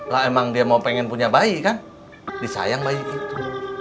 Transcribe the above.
lah emang dia mau pengen punya bayi kan disayang bayi itu